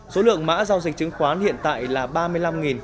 số lượng mã giao dịch chứng khoán hiện tại là ba mươi năm ba trăm chín mươi tám mã